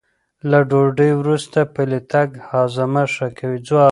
له ډوډۍ وروسته پلی تګ هاضمه ښه کوي.